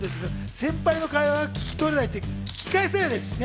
先輩の会話が聞き取れないって、聞き返せないですしね。